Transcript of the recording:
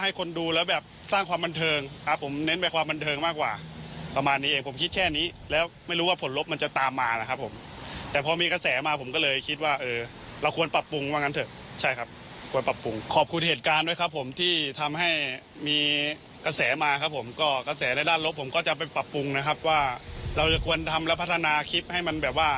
หลักผมก็จะไปปรับปรุงนะครับว่าเราจะควรทำแล้วพัฒนาคลิปให้มันแบบว่า